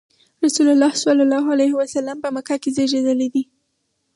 رسول الله ﷺ په مکه کې زېږېدلی.